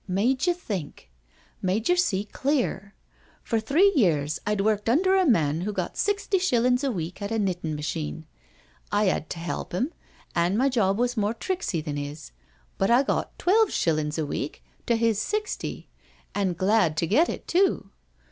" Made yer think— made yer see CANTERBURY TALES iii clear. For three years I'd worked under a man who got sixty $hillin*s a week at a knittin* machine. I 'ad to 'elp him, an' my job was more tricksy than 'is, but I got twelve shillin's a week to his sixty, an' glad to get it too.